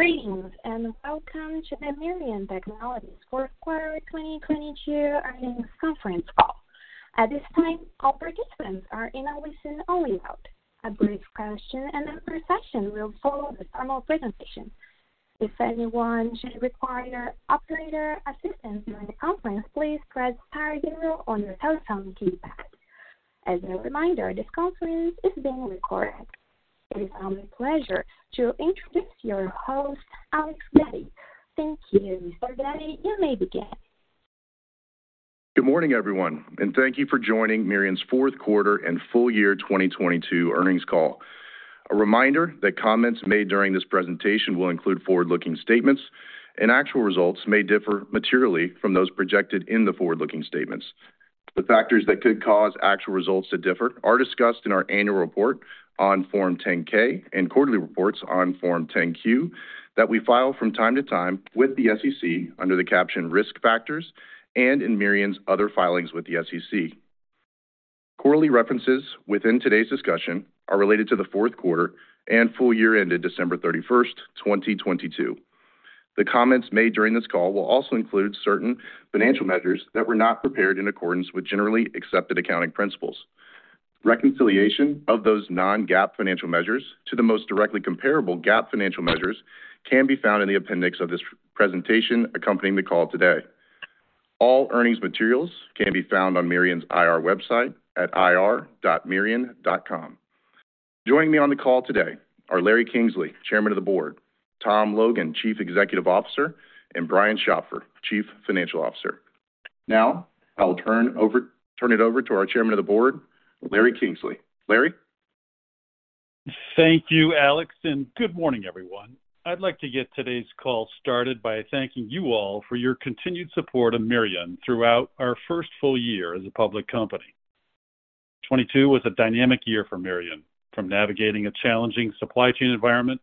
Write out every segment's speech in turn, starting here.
Greetings, welcome to the Mirion Technologies Fourth Quarter 2022 Earnings Conference Call. At this time, all participants are in a listen-only mode. A brief question and answer session will follow the formal presentation. If anyone should require operator assistance during the conference, please press star zero on your telephone keypad. As a reminder, this conference is being recorded. It is now my pleasure to introduce your host, Alex Gaddy. Thank you. Mr. Gaddy, you may begin. Good morning, everyone. Thank you for joining Mirion's Fourth Quarter and Full Year 2022 Earnings Call. A reminder that comments made during this presentation will include forward-looking statements, and actual results may differ materially from those projected in the forward-looking statements. The factors that could cause actual results to differ are discussed in our annual report on form 10-K and quarterly reports on form 10-Q that we file from time to time with the SEC under the caption Risk Factors and in Mirion's other filings with the SEC. Quarterly references within today's discussion are related to the fourth quarter and full year ended December 31st, 2022. The comments made during this call will also include certain financial measures that were not prepared in accordance with generally accepted accounting principles. Reconciliation of those non-GAAP financial measures to the most directly comparable GAAP financial measures can be found in the appendix of this presentation accompanying the call today. All earnings materials can be found on Mirion's IR website at ir.mirion.com. Joining me on the call today are Larry Kingsley, Chairman of the Board, Tom Logan, Chief Executive Officer, and Brian Schopfer, Chief Financial Officer. Now I'll turn it over to our Chairman of the Board, Larry Kingsley. Larry. Thank you, Alex. Good morning, everyone. I'd like to get today's call started by thanking you all for your continued support of Mirion throughout our first full year as a public company. 2022 was a dynamic year for Mirion. From navigating a challenging supply chain environment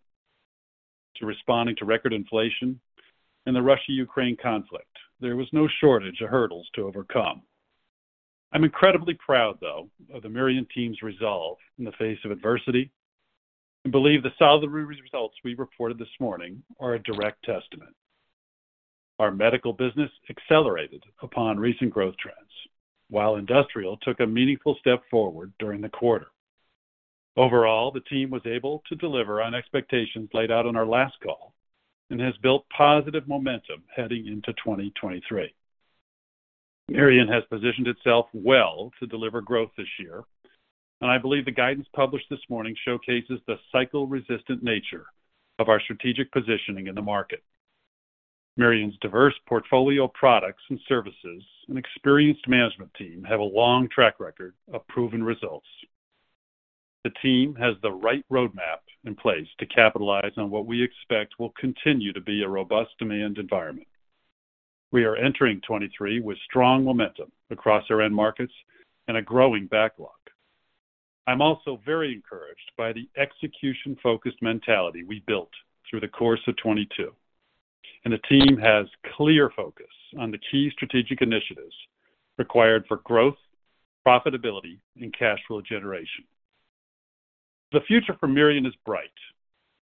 to responding to record inflation and the Russia-Ukraine conflict, there was no shortage of hurdles to overcome. I'm incredibly proud, though, of the Mirion team's resolve in the face of adversity and believe the solid results we reported this morning are a direct testament. Our medical business accelerated upon recent growth trends, while industrial took a meaningful step forward during the quarter. Overall, the team was able to deliver on expectations laid out on our last call and has built positive momentum heading into 2023. Mirion has positioned itself well to deliver growth this year, I believe the guidance published this morning showcases the cycle-resistant nature of our strategic positioning in the market. Mirion's diverse portfolio of products and services experienced management team have a long track record of proven results. The team has the right roadmap in place to capitalize on what we expect will continue to be a robust demand environment. We are entering 23 with strong momentum across our end markets a growing backlog. I'm also very encouraged by the execution-focused mentality we built through the course of 22, the team has clear focus on the key strategic initiatives required for growth, profitability, and cash flow generation. The future for Mirion is bright.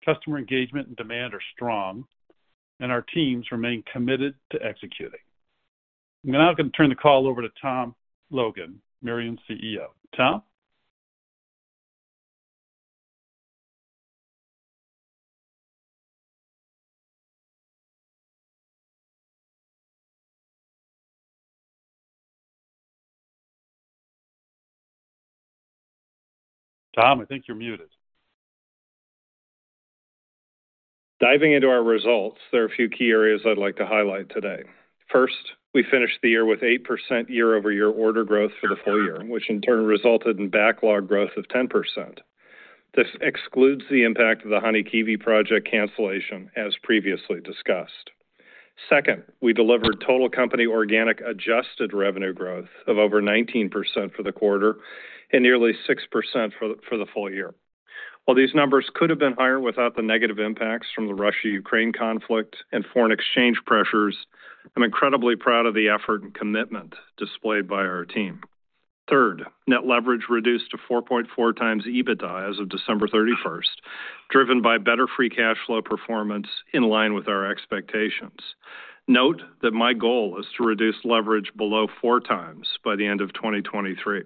Customer engagement and demand are strong, our teams remain committed to executing. I'm now going to turn the call over to Tom Logan, Mirion's CEO. Tom? Tom, I think you're muted. Diving into our results, there are a few key areas I'd like to highlight today. First, we finished the year with 8% year-over-year order growth for the full year, which in turn resulted in backlog growth of 10%. This excludes the impact of Hanhikivi project cancellation as previously discussed. Second, we delivered total company organic adjusted revenue growth of over 19% for the quarter and nearly 6% for the full year. While these numbers could have been higher without the negative impacts from the Russia-Ukraine conflict and foreign exchange pressures, I'm incredibly proud of the effort and commitment displayed by our team. Third, net leverage reduced to 4.4x EBITDA as of December 31st, driven by better free cash flow performance in line with our expectations. Note that my goal is to reduce leverage below 4x by the end of 2023.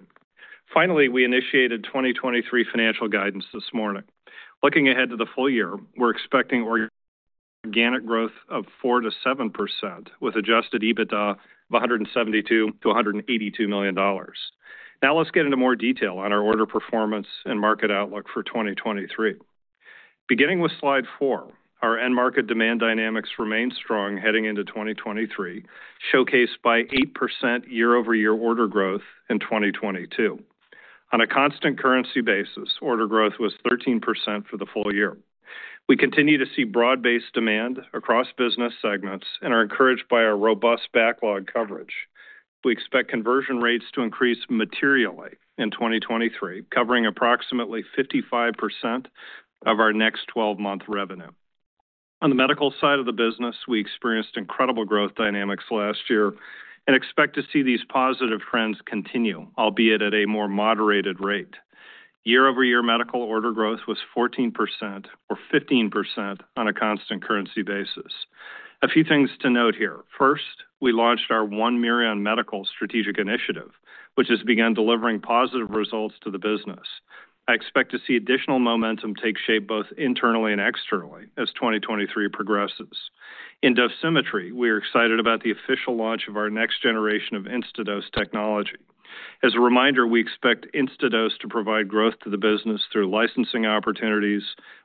We initiated 2023 financial guidance this morning. Looking ahead to the full year, we're expecting organic growth of 4%-7%, with adjusted EBITDA of $172 million-$182 million. Let's get into more detail on our order performance and market outlook for 2023. Beginning with slide 4, our end market demand dynamics remain strong heading into 2023, showcased by 8% year-over-year order growth in 2022. On a constant currency basis, order growth was 13% for the full year. We continue to see broad-based demand across business segments and are encouraged by our robust backlog coverage. We expect conversion rates to increase materially in 2023, covering approximately 55% of our next 12-month revenue. On the medical side of the business, we experienced incredible growth dynamics last year and expect to see these positive trends continue, albeit at a more moderated rate. Year-over-year medical order growth was 14% or 15% on a constant currency basis. A few things to note here. First, we launched our One Mirion Medical strategic initiative, which has begun delivering positive results to the business. I expect to see additional momentum take shape both internally and externally as 2023 progresses. In Dosimetry, we are excited about the official launch of our next generation of Instadose technology. As a reminder, we expect Instadose to provide growth to the business through licensing opportunities,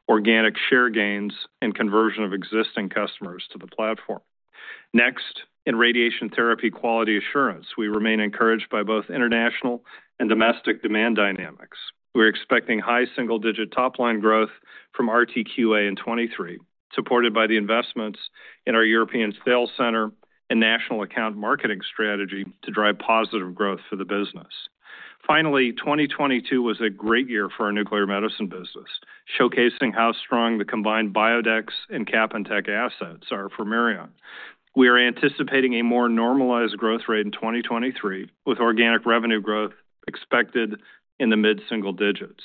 organic share gains, and conversion of existing customers to the platform. In Radiation Therapy Quality Assurance, we remain encouraged by both international and domestic demand dynamics. We're expecting high single-digit top line growth from RTQA in 2023, supported by the investments in our European sales center and national account marketing strategy to drive positive growth for the business. 2022 was a great year for our nuclear medicine business, showcasing how strong the combined Biodex and Capintec assets are for Mirion. We are anticipating a more normalized growth rate in 2023, with organic revenue growth expected in the mid single digits.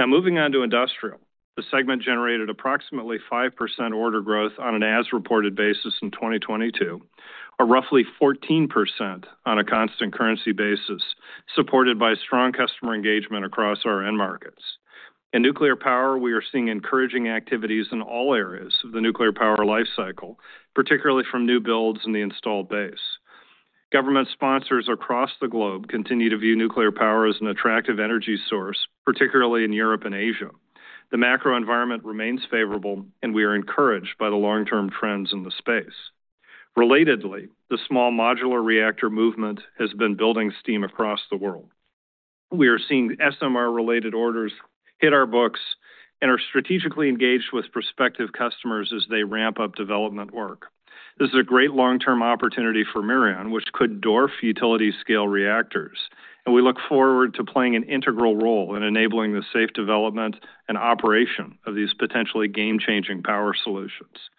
Moving on to Industrial. The segment generated approximately 5% order growth on an as-reported basis in 2022, or roughly 14% on a constant currency basis, supported by strong customer engagement across our end markets. In nuclear power, we are seeing encouraging activities in all areas of the nuclear power life cycle, particularly from new builds in the installed base. Government sponsors across the globe continue to view nuclear power as an attractive energy source, particularly in Europe and Asia. The macro environment remains favorable, and we are encouraged by the long-term trends in the space. Relatedly, the small modular reactor movement has been building steam across the world. We are seeing SMR-related orders hit our books and are strategically engaged with prospective customers as they ramp up development work. This is a great long-term opportunity for Mirion, which could dwarf utility scale reactors, and we look forward to playing an integral role in enabling the safe development and operation of these potentially game-changing power solutions.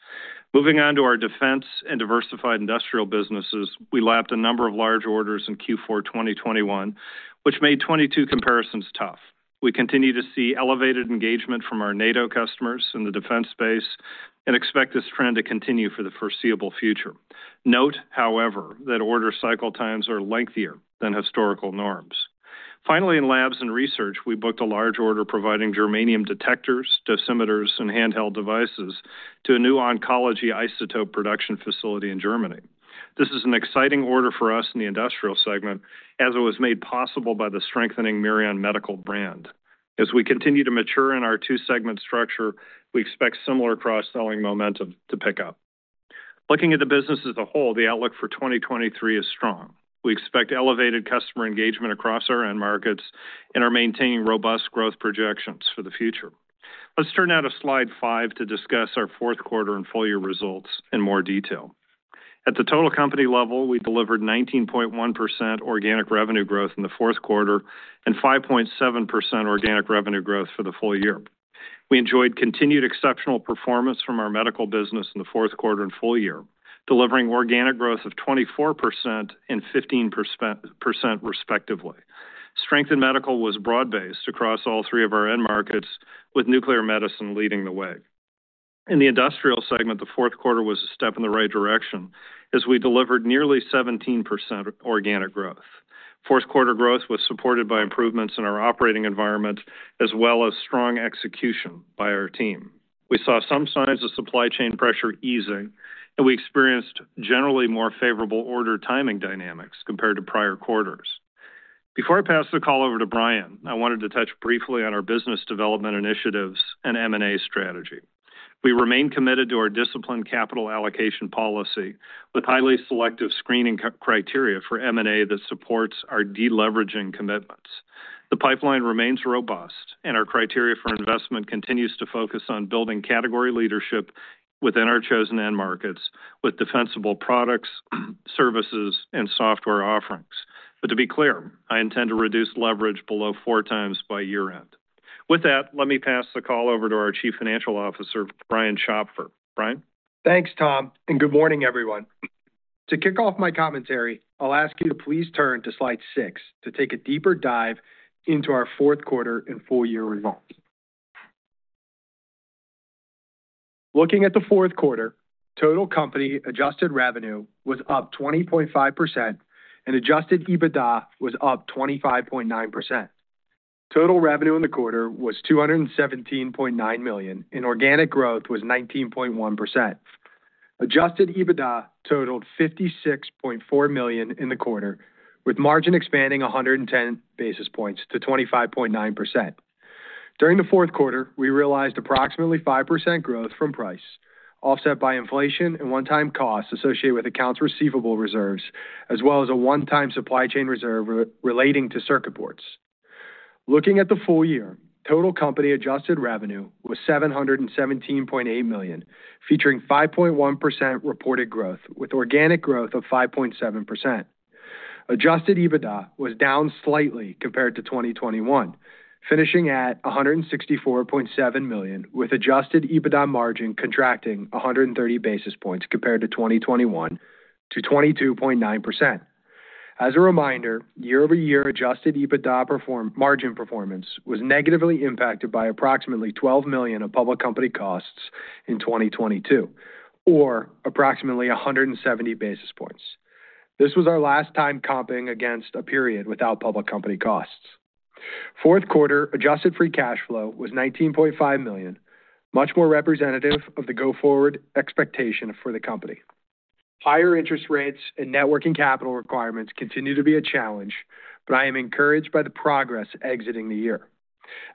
Moving on to our Defense and Diversified Industrial businesses. We lapped a number of large orders in Q4 2021, which made 22 comparisons tough. We continue to see elevated engagement from our NATO customers in the defense space and expect this trend to continue for the foreseeable future. Note, however, that order cycle times are lengthier than historical norms. Finally, in Labs and Research, we booked a large order providing germanium detectors, dosimeters, and handheld devices to a new oncology isotope production facility in Germany. This is an exciting order for us in the industrial segment as it was made possible by the strengthening Mirion Medical brand. As we continue to mature in our two-segment structure, we expect similar cross-selling momentum to pick up. Looking at the business as a whole, the outlook for 2023 is strong. We expect elevated customer engagement across our end markets and are maintaining robust growth projections for the future. Let's turn now to slide five to discuss our fourth quarter and full year results in more detail. At the total company level, we delivered 19.1% organic revenue growth in the fourth quarter and 5.7% organic revenue growth for the full year. We enjoyed continued exceptional performance from our medical business in the fourth quarter and full year, delivering organic growth of 24% and 15% respectively. Strength in medical was broad-based across all three of our end markets, with nuclear medicine leading the way. In the industrial segment, the fourth quarter was a step in the right direction as we delivered nearly 17% organic growth. Fourth quarter growth was supported by improvements in our operating environment as well as strong execution by our team. We saw some signs of supply chain pressure easing. We experienced generally more favorable order timing dynamics compared to prior quarters. Before I pass the call over to Brian, I wanted to touch briefly on our business development initiatives and M&A strategy. We remain committed to our disciplined capital allocation policy with highly selective screening criteria for M&A that supports our deleveraging commitments. The pipeline remains robust, and our criteria for investment continues to focus on building category leadership within our chosen end markets with defensible products, services, and software offerings. To be clear, I intend to reduce leverage below 4x by year-end. With that, let me pass the call over to our Chief Financial Officer, Brian Schopfer. Brian? Thanks, Tom, and good morning, everyone. To kick off my commentary, I'll ask you to please turn to slide 6 to take a deeper dive into our fourth quarter and full year results. Looking at the fourth quarter, total company adjusted revenue was up 20.5% and adjusted EBITDA was up 25.9%. Total revenue in the quarter was $217.9 million, and organic growth was 19.1%. Adjusted EBITDA totaled $56.4 million in the quarter, with margin expanding 110 basis points to 25.9%. During the fourth quarter, we realized approximately 5% growth from price, offset by inflation and one-time costs associated with accounts receivable reserves, as well as a one-time supply chain reserve re-relating to circuit boards. Looking at the full year, total company adjusted revenue was $717.8 million, featuring 5.1% reported growth with organic growth of 5.7%. Adjusted EBITDA was down slightly compared to 2021, finishing at $164.7 million, with adjusted EBITDA margin contracting 130 basis points compared to 2021 to 22.9%. As a reminder, year-over-year adjusted EBITDA margin performance was negatively impacted by approximately $12 million of public company costs in 2022, or approximately 170 basis points. This was our last time comping against a period without public company costs. Fourth quarter adjusted free cash flow was $19.5 million, much more representative of the go forward expectation for the company. Higher interest rates and net working capital requirements continue to be a challenge. I am encouraged by the progress exiting the year.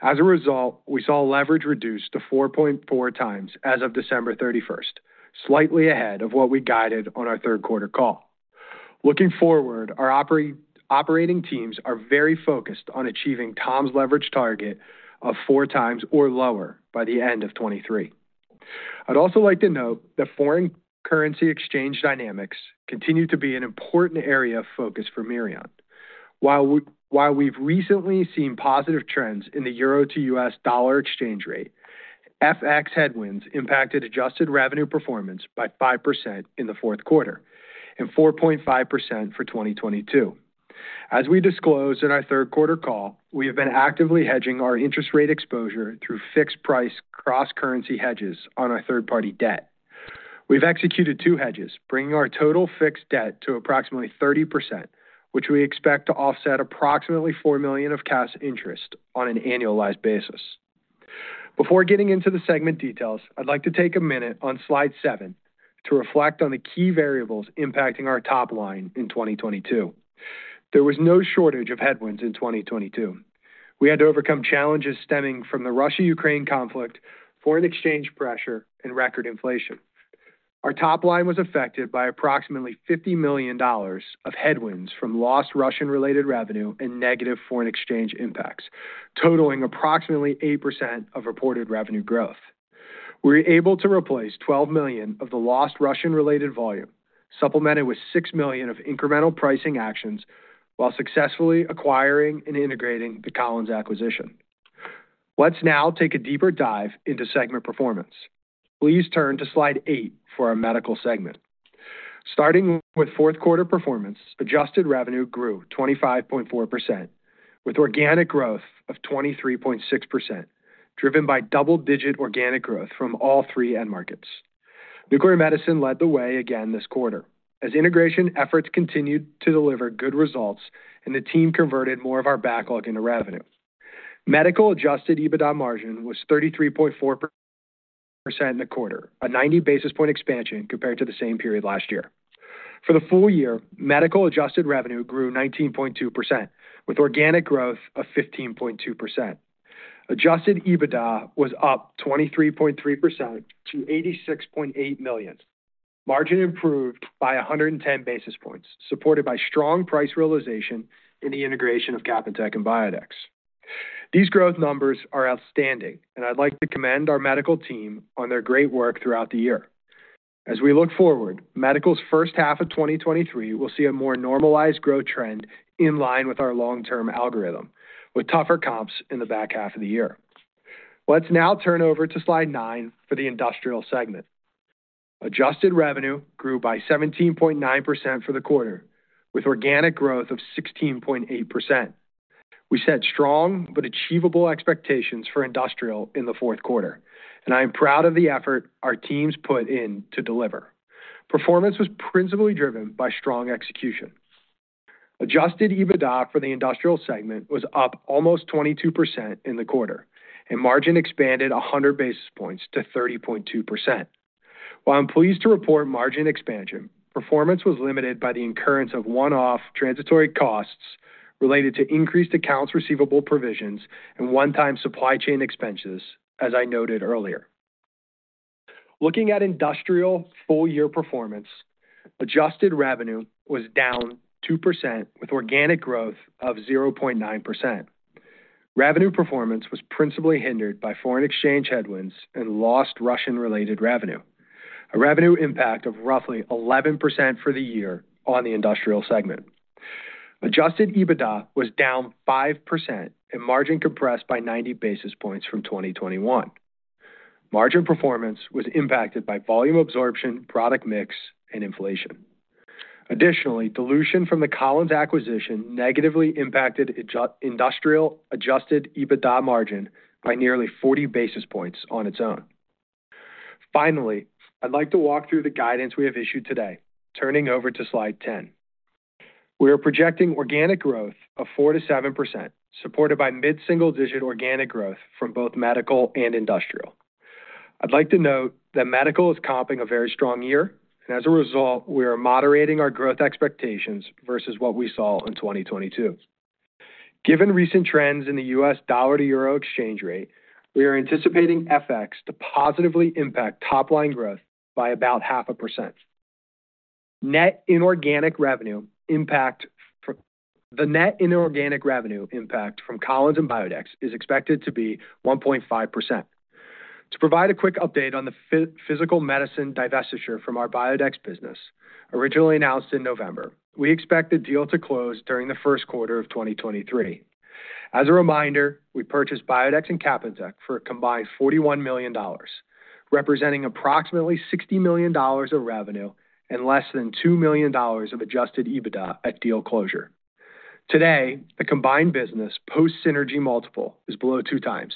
As a result, we saw leverage reduce to 4.4x as of December 31st, slightly ahead of what we guided on our third quarter call. Looking forward, our operating teams are very focused on achieving Tom's leverage target of 4x or lower by the end of 2023. I'd also like to note that foreign currency exchange dynamics continue to be an important area of focus for Mirion. While we've recently seen positive trends in the euro to U.S. dollar exchange rate, FX headwinds impacted adjusted revenue performance by 5% in the fourth quarter and 4.5% for 2022. As we disclosed in our third quarter call, we have been actively hedging our interest rate exposure through fixed price cross-currency hedges on our third-party debt. We've executed two hedges, bringing our total fixed debt to approximately 30%, which we expect to offset approximately $4 million of cash interest on an annualized basis. Before getting into the segment details, I'd like to take a minute on slide seven to reflect on the key variables impacting our top line in 2022. There was no shortage of headwinds in 2022. We had to overcome challenges stemming from the Russia-Ukraine conflict, foreign exchange pressure, and record inflation. Our top line was affected by approximately $50 million of headwinds from lost Russian-related revenue and negative foreign exchange impacts, totaling approximately 8% of reported revenue growth. We were able to replace $12 million of the lost Russian-related volume, supplemented with $6 million of incremental pricing actions while successfully acquiring and integrating the Collins acquisition. Let's now take a deeper dive into segment performance. Please turn to slide 8 for our Medical segment. Starting with fourth quarter performance, adjusted revenue grew 25.4% with organic growth of 23.6%, driven by double-digit organic growth from all 3 end markets. nuclear medicine led the way again this quarter as integration efforts continued to deliver good results and the team converted more of our backlog into revenue. Medical adjusted EBITDA margin was 33.4% in the quarter, a 90 basis point expansion compared to the same period last year. For the full year, Medical adjusted revenue grew 19.2%, with organic growth of 15.2%. Adjusted EBITDA was up 23.3% to $86.8 million. Margin improved by 110 basis points, supported by strong price realization in the integration of Capintec and Biodex. These growth numbers are outstanding, and I'd like to commend our medical team on their great work throughout the year. As we look forward, medical's first half of 2023 will see a more normalized growth trend in line with our long-term algorithm, with tougher comps in the back half of the year. Let's now turn over to slide 9 for the industrial segment. Adjusted revenue grew by 17.9% for the quarter, with organic growth of 16.8%. We set strong but achievable expectations for industrial in the 4th quarter, and I am proud of the effort our teams put in to deliver. Performance was principally driven by strong execution. Adjusted EBITDA for the industrial segment was up almost 22% in the quarter, and margin expanded 100 basis points to 30.2%. While I'm pleased to report margin expansion, performance was limited by the incurrence of one-off transitory costs related to increased accounts receivable provisions and one-time supply chain expenses, as I noted earlier. Looking at industrial full-year performance, adjusted revenue was down 2% with organic growth of 0.9%. Revenue performance was principally hindered by foreign exchange headwinds and lost Russian-related revenue, a revenue impact of roughly 11% for the year on the industrial segment. Adjusted EBITDA was down 5% and margin compressed by 90 basis points from 2021. Margin performance was impacted by volume absorption, product mix, and inflation. Additionally, dilution from the Collins acquisition negatively impacted industrial adjusted EBITDA margin by nearly 40 basis points on its own. I'd like to walk through the guidance we have issued today. Turning over to slide 10. We are projecting organic growth of 4%-7%, supported by mid-single digit organic growth from both medical and industrial. I'd like to note that medical is comping a very strong year, as a result, we are moderating our growth expectations versus what we saw in 2022. Given recent trends in the US dollar to euro exchange rate, we are anticipating FX to positively impact top line growth by about 0.5%. The net inorganic revenue impact from Collins and Biodex is expected to be 1.5%. To provide a quick update on the physical medicine divestiture from our Biodex business, originally announced in November, we expect the deal to close during the first quarter of 2023. As a reminder, we purchased Biodex and Capintec for a combined $41 million, representing approximately $60 million of revenue and less than $2 million of adjusted EBITDA at deal closure. Today, the combined business post synergy multiple is below 2x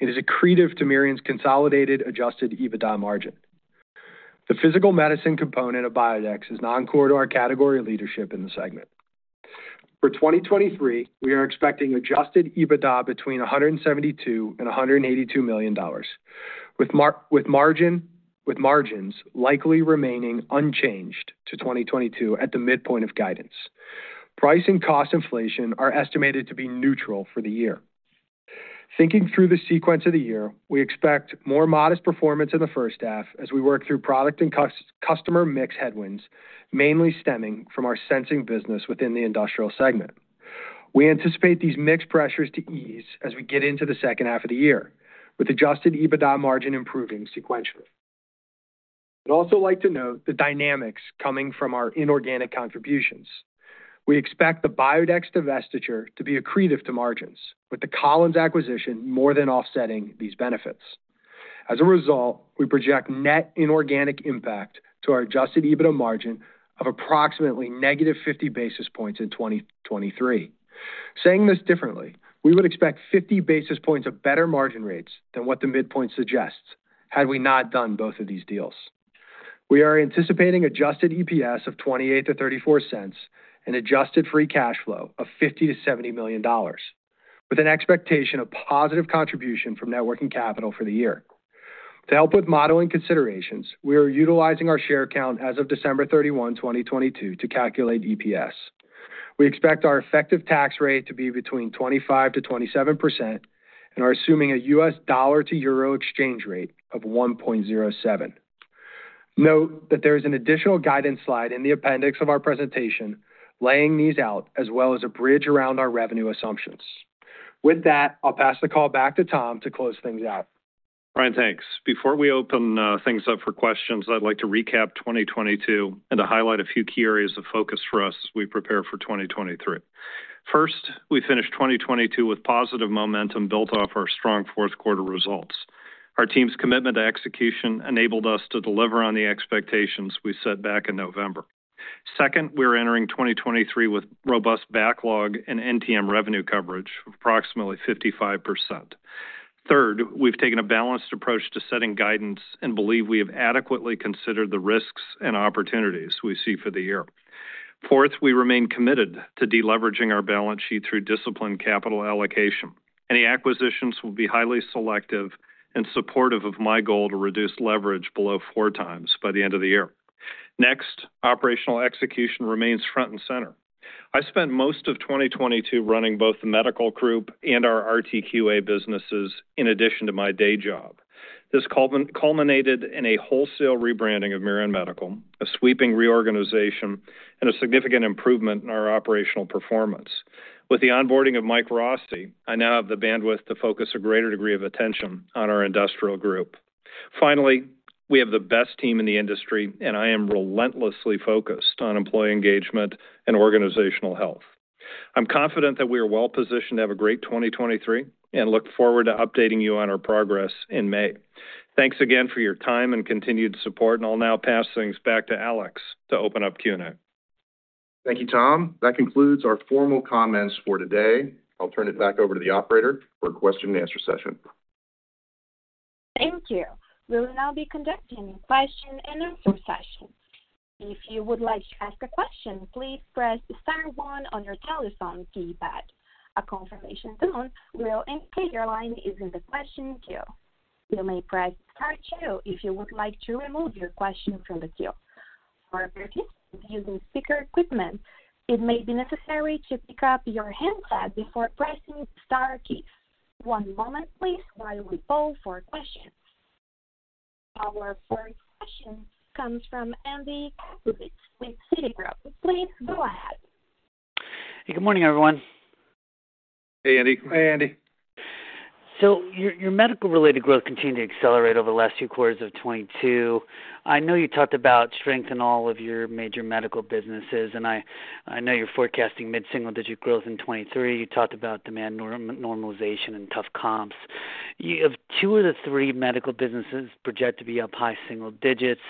and is accretive to Mirion's consolidated adjusted EBITDA margin. The physical medicine component of Biodex is non-core to our category leadership in the segment. For 2023, we are expecting adjusted EBITDA between $172 million-$182 million, with margins likely remaining unchanged to 2022 at the midpoint of guidance. Price and cost inflation are estimated to be neutral for the year. Thinking through the sequence of the year, we expect more modest performance in the first half as we work through product and customer mix headwinds, mainly stemming from our sensing business within the industrial segment. We anticipate these mixed pressures to ease as we get into the second half of the year, with adjusted EBITDA margin improving sequentially. I'd also like to note the dynamics coming from our inorganic contributions. We expect the Biodex divestiture to be accretive to margins, with the Collins acquisition more than offsetting these benefits. We project net inorganic impact to our adjusted EBITDA margin of approximately negative 50 basis points in 2023. Saying this differently, we would expect 50 basis points of better margin rates than what the midpoint suggests had we not done both of these deals. We are anticipating adjusted EPS of $0.28-$0.34 and adjusted free cash flow of $50 million-$70 million, with an expectation of positive contribution from net working capital for the year. To help with modeling considerations, we are utilizing our share count as of December 31, 2022 to calculate EPS. We expect our effective tax rate to be between 25%-27% and are assuming a U.S. dollar to euro exchange rate of 1.07. Note that there is an additional guidance slide in the appendix of our presentation laying these out, as well as a bridge around our revenue assumptions. With that, I'll pass the call back to Tom to close things out. Brian, thanks. Before we open things up for questions, I'd like to recap 2022 and to highlight a few key areas of focus for us as we prepare for 2023. First, we finished 2022 with positive momentum built off our strong fourth quarter results. Our team's commitment to execution enabled us to deliver on the expectations we set back in November. Second, we're entering 2023 with robust backlog and NTM revenue coverage of approximately 55%. Third, we've taken a balanced approach to setting guidance and believe we have adequately considered the risks and opportunities we see for the year. Fourth, we remain committed to deleveraging our balance sheet through disciplined capital allocation. Any acquisitions will be highly selective and supportive of my goal to reduce leverage below 4x by the end of the year. Operational execution remains front and center. I spent most of 2022 running both the medical group and our RTQA businesses in addition to my day job. This culminated in a wholesale rebranding of Mirion Medical, a sweeping reorganization, and a significant improvement in our operational performance. With the onboarding of Mike Rossi, I now have the bandwidth to focus a greater degree of attention on our industrial group. Finally, we have the best team in the industry, and I am relentlessly focused on employee engagement and organizational health. I'm confident that we are well positioned to have a great 2023, and look forward to updating you on our progress in May. Thanks again for your time and continued support, and I'll now pass things back to Alex to open up Q&A. Thank you, Tom. That concludes our formal comments for today. I'll turn it back over to the operator for a question-and-answer session. Thank you. We will now be conducting a question-and-answer session. If you would like to ask a question, please press star one on your telephone keypad. A confirmation tone will indicate your line is in the question queue. You may press star two if you would like to remove your question from the queue. For participants using speaker equipment, it may be necessary to pick up your handset before pressing the star keys. 1 moment please while we poll for questions. Our first question comes from Andy Kaplowitz with Citigroup. Please go ahead. Hey, good morning, everyone. Hey, Andy. Hey, Andy. Your medical-related growth continued to accelerate over the last few quarters of 2022. I know you talked about strength in all of your major medical businesses, and I know you're forecasting mid-single-digit growth in 2023. You talked about demand normalization and tough comps. You have two of the three medical businesses projected to be up high single digits.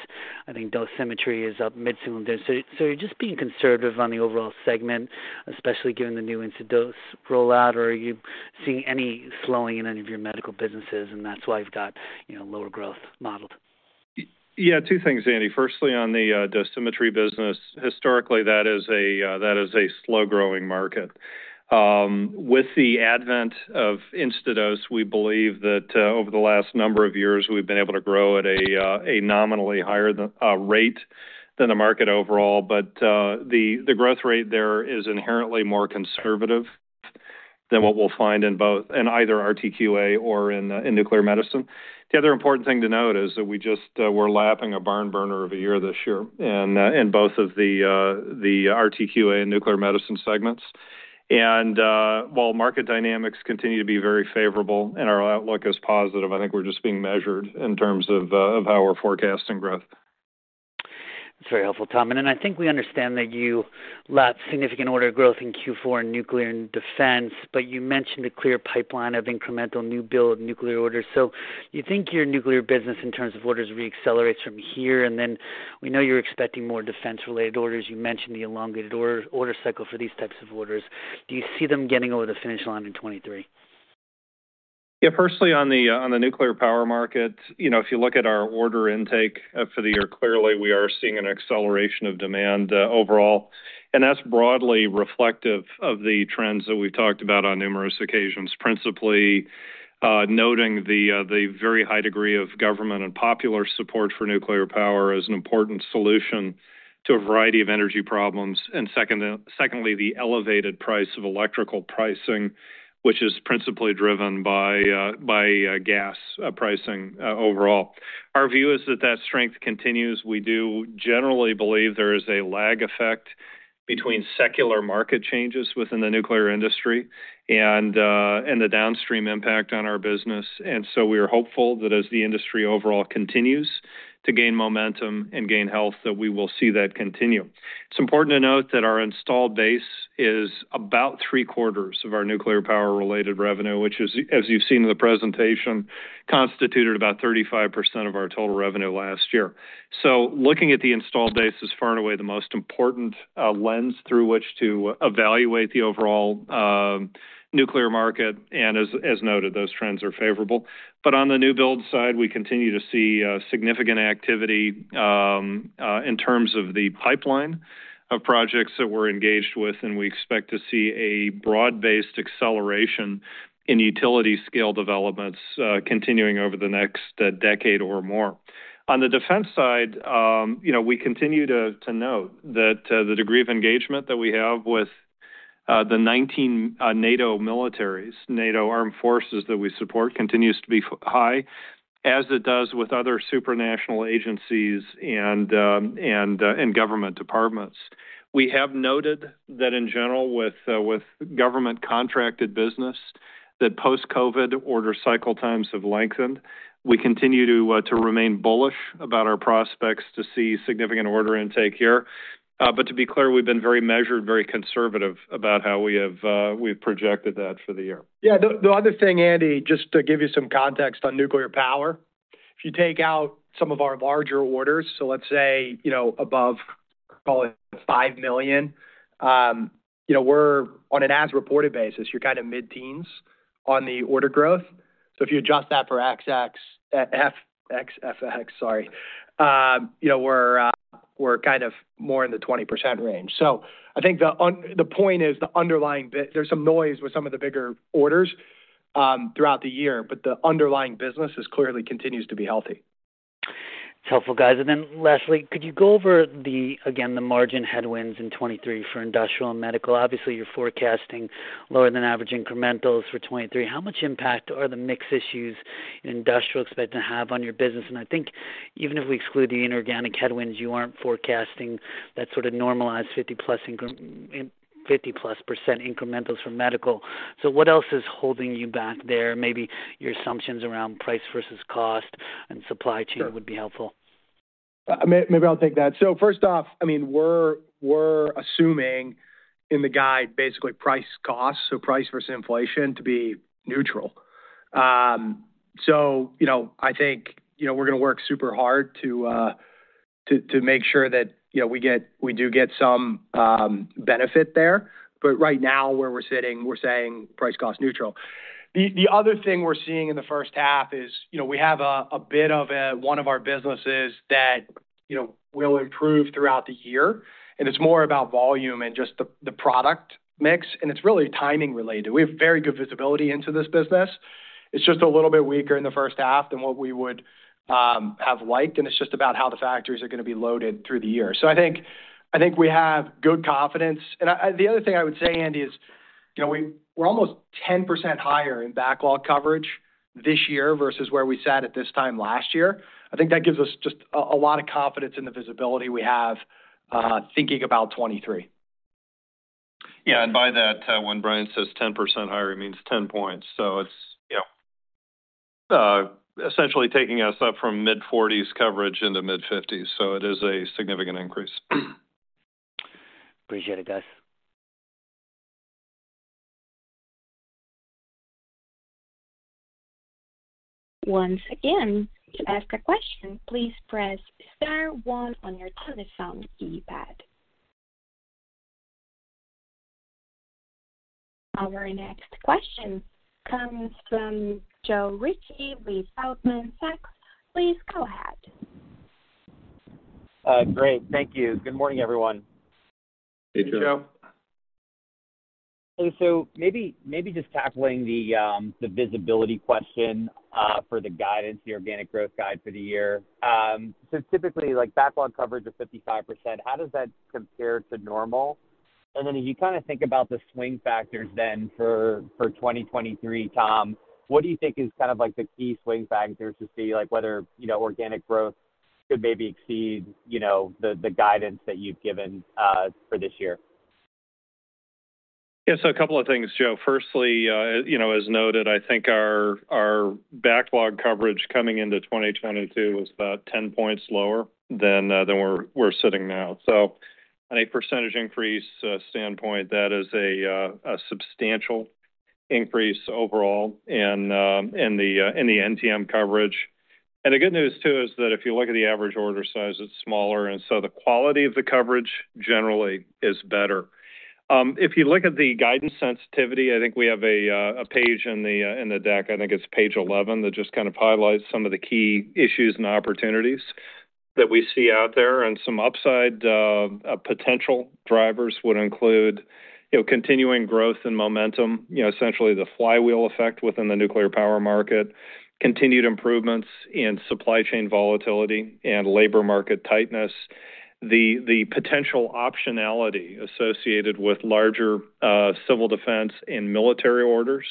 I think Dosimetry is up mid-single digits. You're just being conservative on the overall segment, especially given the new Instadose rollout, or are you seeing any slowing in any of your medical businesses, and that's why you've got, you know, lower growth modeled? Yeah, two things, Andy. Firstly, on the Dosimetry business, historically, that is a slow-growing market. With the advent of Instadose, we believe that over the last number of years, we've been able to grow at a nominally higher rate than the market overall. The growth rate there is inherently more conservative than what we'll find in either RTQA or in nuclear medicine. The other important thing to note is that we just we're lapping a barn burner of a year this year in both of the RTQA and nuclear medicine segments. While market dynamics continue to be very favorable and our outlook is positive, I think we're just being measured in terms of how we're forecasting growth. That's very helpful, Tom. I think we understand that you lapped significant order growth in Q4 in nuclear and defense. You mentioned a clear pipeline of incremental new build nuclear orders. You think your nuclear business in terms of orders re-accelerates from here. We know you're expecting more defense-related orders. You mentioned the elongated order cycle for these types of orders. Do you see them getting over the finish line in 2023? Yeah, firstly, on the on the nuclear power market, you know, if you look at our order intake for the year, clearly we are seeing an acceleration of demand overall. That's broadly reflective of the trends that we've talked about on numerous occasions. Principally, noting the very high degree of government and popular support for nuclear power as an important solution to a variety of energy problems. Second, secondly, the elevated price of electrical pricing, which is principally driven by gas pricing overall. Our view is that that strength continues. We do generally believe there is a lag effect between secular market changes within the nuclear industry and the downstream impact on our business. We are hopeful that as the industry overall continues to gain momentum and gain health, that we will see that continue. It's important to note that our installed base is about three-quarters of our nuclear power-related revenue, which is, as you've seen in the presentation, constituted about 35% of our total revenue last year. Looking at the installed base is far and away the most important lens through which to evaluate the overall nuclear market. As noted, those trends are favorable. On the new build side, we continue to see significant activity in terms of the pipeline of projects that we're engaged with, and we expect to see a broad-based acceleration in utility scale developments continuing over the next decade or more. On the defense side, you know, we continue to note that the degree of engagement that we have with the 19 NATO militaries, NATO armed forces that we support continues to be high, as it does with other supranational agencies and government departments. We have noted that in general with government contracted business, that post-COVID order cycle times have lengthened. We continue to remain bullish about our prospects to see significant order intake here. To be clear, we've been very measured, very conservative about how we have, we've projected that for the year. The other thing, Andy, just to give you some context on nuclear power. If you take out some of our larger orders, so let's say, you know, above, call it $5 million, you know, we're on an as-reported basis, you're kind of mid-teens on the order growth. If you adjust that for FX, sorry, you know, we're kind of more in the 20% range. I think the point is there's some noise with some of the bigger orders throughout the year, but the underlying business is clearly continues to be healthy. It's helpful, guys. Lastly, could you go over the, again, the margin headwinds in 2023 for industrial and medical? Obviously, you're forecasting lower than average incrementals for 2023. How much impact are the mix issues in industrial expect to have on your business? I think even if we exclude the inorganic headwinds, you aren't forecasting that sort of normalized 50 plus percent incrementals from medical. What else is holding you back there? Maybe your assumptions around price versus cost and supply chain- Sure... would be helpful. Maybe I'll take that. First off, I mean, we're assuming in the guide basically price cost, so price versus inflation to be neutral. I think, you know, we're gonna work super hard to make sure that, you know, we do get some benefit there. Right now where we're sitting, we're saying price cost neutral. The other thing we're seeing in the first half is, you know, we have a bit of a, one of our businesses that, you know, will improve throughout the year, and it's more about volume and just the product mix, and it's really timing related. We have very good visibility into this business. It's just a little bit weaker in the first half than what we would have liked, and it's just about how the factories are gonna be loaded through the year. I think we have good confidence. The other thing I would say, Andy, is, you know, we're almost 10% higher in backlog coverage this year versus where we sat at this time last year. I think that gives us just a lot of confidence in the visibility we have, thinking about 2023. Yeah. By that, when Brian says 10% higher, it means 10 points. It's. Yeah... essentially taking us up from mid-40s coverage into mid-50s. It is a significant increase. Appreciate it, guys. Once again, to ask a question, please press star one on your telephone keypad. Our next question comes from Joe Ritchie with Goldman Sachs. Please go ahead. Great. Thank you. Good morning, everyone. Hey, Joe. Hey, Joe. Maybe just tackling the visibility question for the guidance, the organic growth guide for the year. Typically, like backlog coverage of 55%, how does that compare to normal? As you kinda think about the swing factors then for 2023, Tom, what do you think is kind of like the key swing factors to see like whether, you know, organic growth could maybe exceed, you know, the guidance that you've given for this year? Yeah. A couple of things, Joe. Firstly, you know, as noted, I think our backlog coverage coming into 2022 was about 10 points lower than we're sitting now. On a percentage increase standpoint, that is a substantial increase overall in the NTM coverage. The good news, too, is that if you look at the average order size, it's smaller, and so the quality of the coverage generally is better. If you look at the guidance sensitivity, I think we have a page in the deck, I think it's page 11, that just kind of highlights some of the key issues and opportunities that we see out there and some upside potential drivers would include, you know, continuing growth and momentum, you know, essentially the flywheel effect within the nuclear power market, continued improvements in supply chain volatility and labor market tightness. The potential optionality associated with larger civil defense and military orders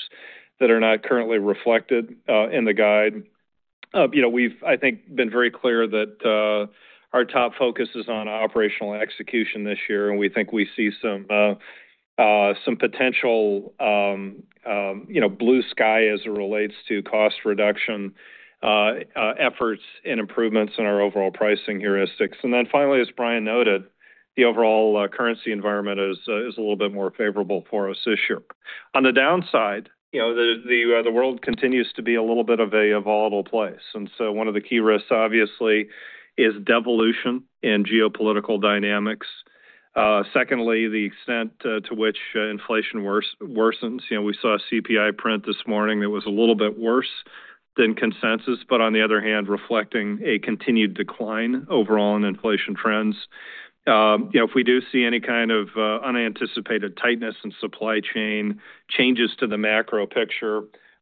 that are not currently reflected in the guide. You know, we've, I think, been very clear that our top focus is on operational execution this year, and we think we see some potential, you know, blue sky as it relates to cost reduction efforts and improvements in our overall pricing heuristics. Finally, as Brian noted, the overall currency environment is a little bit more favorable for us this year. On the downside, you know, the world continues to be a little bit of a volatile place. One of the key risks, obviously, is devolution in geopolitical dynamics. Secondly, the extent to which inflation worsens. You know, we saw a CPI print this morning that was a little bit worse than consensus, but on the other hand, reflecting a continued decline overall in inflation trends. You know, if we do see any kind of unanticipated tightness in supply chain, changes to the macro picture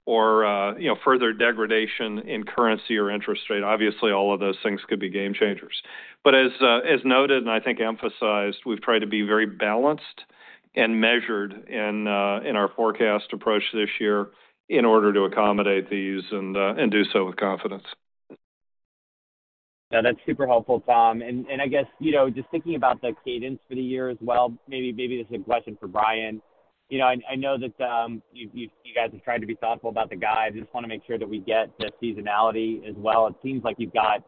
or, you know, further degradation in currency or interest rate, obviously all of those things could be game changers. As noted and I think emphasized, we've tried to be very balanced and measured in our forecast approach this year in order to accommodate these and do so with confidence. Yeah, that's super helpful, Tom. I guess, you know, just thinking about the cadence for the year as well, maybe this is a question for Brian. You know, I know that you guys have tried to be thoughtful about the guide. I just wanna make sure that we get the seasonality as well. It seems like you've got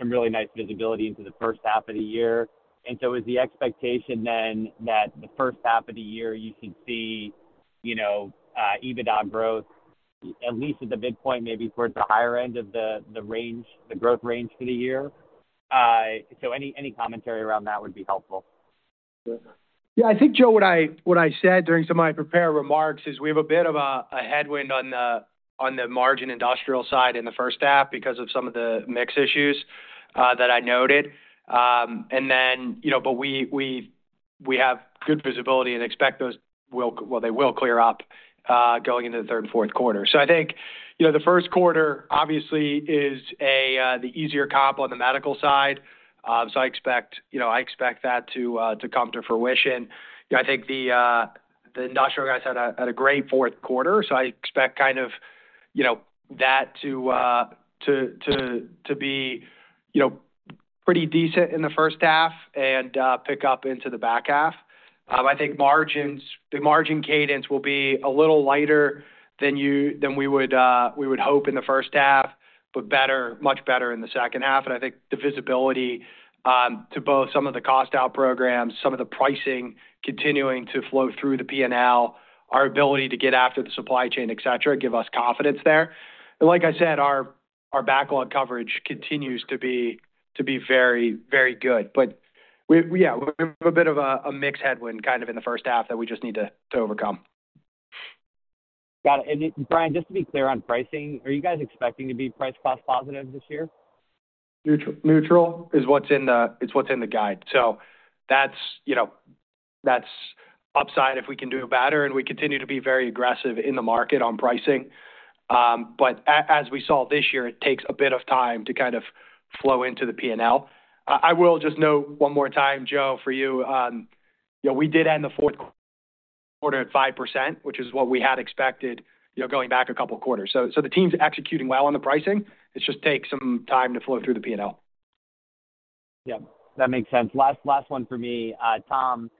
some really nice visibility into the first half of the year. Is the expectation then that the first half of the year you should see, you know, EBITDA growth at least at the midpoint, maybe towards the higher end of the range, the growth range for the year? Any commentary around that would be helpful. Yeah, I think, Joe, what I said during some of my prepared remarks is we have a bit of a headwind on the margin industrial side in the first half because of some of the mix issues that I noted. We have good visibility and expect those will clear up going into the third and fourth quarter. I think, you know, the first quarter obviously is the easier comp on the medical side. I expect, you know, I expect that to come to fruition. You know, I think the industrial guys had a great fourth quarter, I expect kind of, you know, that to be, you know, pretty decent in the first half and pick up into the back half. I think the margin cadence will be a little lighter than we would hope in the first half, but better, much better in the second half. I think the visibility to both some of the cost out programs, some of the pricing continuing to flow through the P&L, our ability to get after the supply chain, et cetera, give us confidence there. Like I said, our backlog coverage continues to be very, very good. Yeah, we have a bit of a mix headwind kind of in the first half that we just need to overcome. Got it. Brian, just to be clear on pricing, are you guys expecting to be price-cost positive this year? Neutral, neutral it's what's in the guide. That's, you know, that's upside if we can do better, and we continue to be very aggressive in the market on pricing. As we saw this year, it takes a bit of time to kind of flow into the P&L. I will just note one more time, Joe, for you know, we did end the fourth quarter at 5%, which is what we had expected, you know, going back a couple of quarters. The team's executing well on the pricing. It just takes some time to flow through the P&L. Yeah, that makes sense. Last one for me. Tom,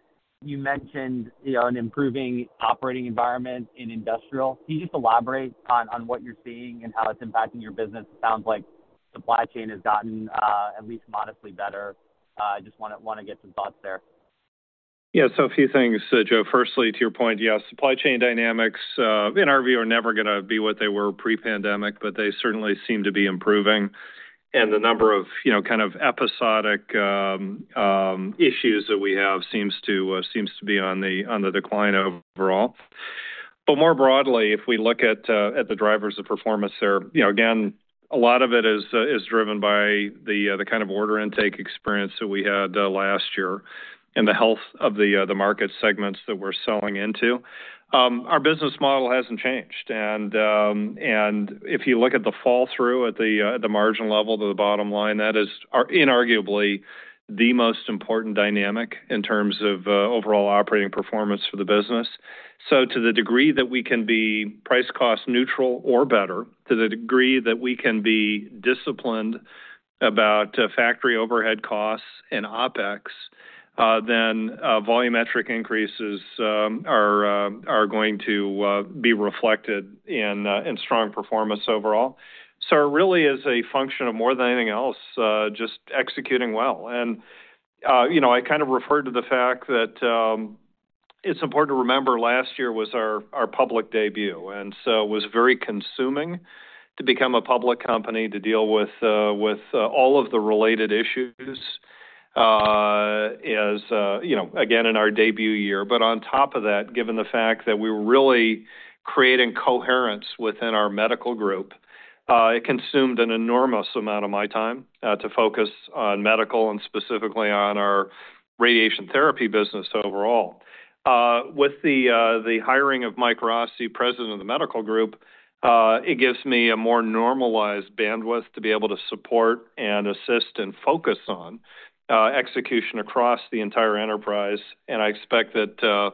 you mentioned, you know, an improving operating environment in industrial. Can you just elaborate on what you're seeing and how it's impacting your business? It sounds like supply chain has gotten, at least modestly better. just wanna get some thoughts there. A few things, Joe. Firstly, to your point, yes, supply chain dynamics in our view, are never gonna be what they were pre-pandemic, but they certainly seem to be improving. The number of, you know, kind of episodic issues that we have seems to be on the decline overall. More broadly, if we look at the drivers of performance there, you know, again, a lot of it is driven by the kind of order intake experience that we had last year and the health of the market segments that we're selling into. Our business model hasn't changed. If you look at the fall through at the margin level to the bottom line, that is inarguably the most important dynamic in terms of overall operating performance for the business. To the degree that we can be price cost neutral or better, to the degree that we can be disciplined about factory overhead costs and OpEx, then volumetric increases are going to be reflected in strong performance overall. It really is a function of more than anything else, just executing well. You know, I kind of referred to the fact that it's important to remember last year was our public debut, and so it was very consuming to become a public company, to deal with all of the related issues, as you know, again, in our debut year. On top of that, given the fact that we were really creating coherence within our medical group, it consumed an enormous amount of my time to focus on medical and specifically on our radiation therapy business overall. With the hiring of Mike Rossi, Medical Group President of the medical group, it gives me a more normalized bandwidth to be able to support and assist and focus on execution across the entire enterprise. I expect that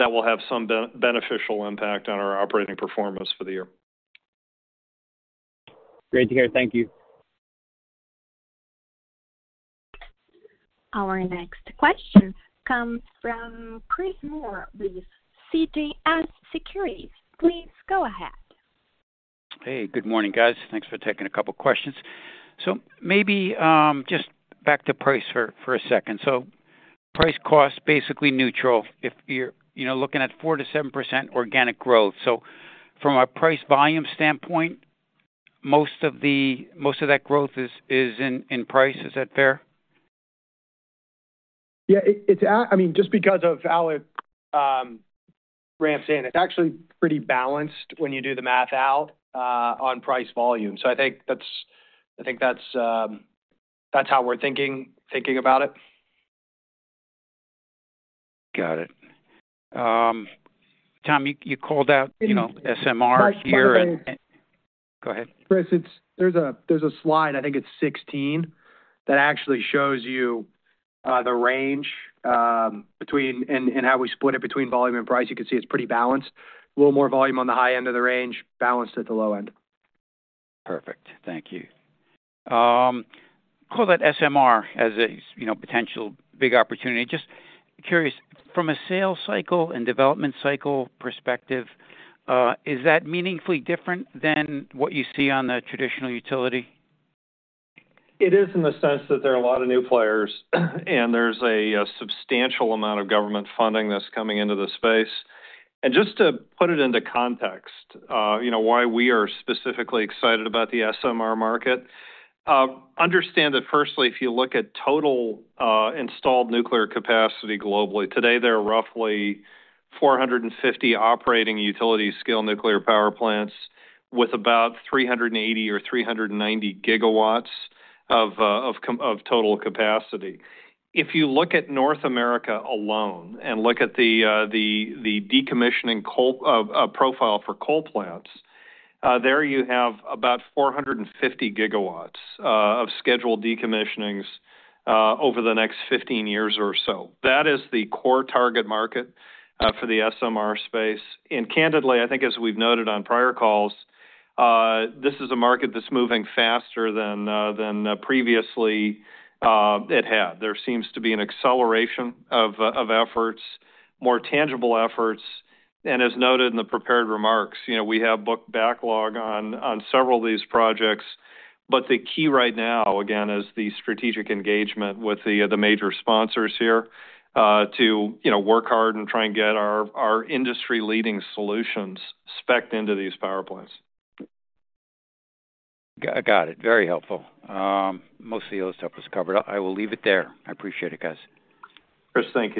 will have some beneficial impact on our operating performance for the year. Great to hear. Thank you. Our next question comes from Chris Moore with CJS Securities. Please go ahead. Hey, good morning, guys. Thanks for taking a couple questions. Maybe, just back to price for a second. Price cost basically neutral if you're, you know, looking at 4%-7% organic growth. From a price volume standpoint, most of that growth is in price. Is that fair? Yeah, it's I mean, just because of how it ramps in, it's actually pretty balanced when you do the math out on price volume. I think that's how we're thinking about it. Got it. Tom, you called out, you know, SMR here. Mike, Go ahead. Chris, there's a slide, I think it's 16, that actually shows you the range, between and how we split it between volume and price. You can see it's pretty balanced. A little more volume on the high end of the range, balanced at the low end. Perfect. Thank you. call that SMR as a, you know, potential big opportunity. Just curious, from a sales cycle and development cycle perspective, is that meaningfully different than what you see on the traditional utility? It is in the sense that there are a lot of new players, and there's a substantial amount of government funding that's coming into the space. Just to put it into context, you know, why we are specifically excited about the SMR market. Understand that firstly, if you look at total installed nuclear capacity globally, today there are roughly 450 operating utility scale nuclear power plants with about 380 or 390 gigawatts of total capacity. If you look at North America alone and look at the decommissioning coal profile for coal plants, there you have about 450 gigawatts of scheduled decommissionings over the next 15 years or so. That is the core target market for the SMR space. Candidly, I think as we've noted on prior calls, this is a market that's moving faster than than previously it had. There seems to be an acceleration of of efforts, more tangible efforts. As noted in the prepared remarks, you know, we have booked backlog on several of these projects. The key right now, again, is the strategic engagement with the the major sponsors here to, you know, work hard and try and get our industry-leading solutions spec'd into these power plants. Got it. Very helpful. Most of the other stuff was covered. I will leave it there. I appreciate it, guys. Chris, thank you.